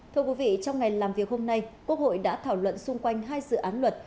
thưa quý vị trong ngày làm việc hôm nay quốc hội đã thảo luận xung quanh hai dự án luật